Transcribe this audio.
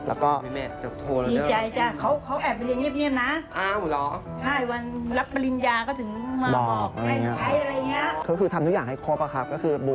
เพื่อนก็อาจจะทำทุกอย่างให้ครบอ่ะครับ